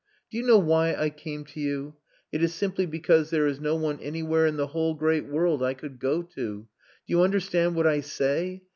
"Do you know why I came to you? It is simply because there is no one anywhere in the whole great world I could go to. Do you understand what I say?